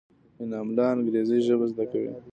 انعام الله انګرېزي ژبه زده کوي.